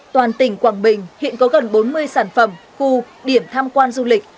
toàn tỉnh quảng bình hiện có gần bốn mươi sản phẩm khu điểm tham quan du lịch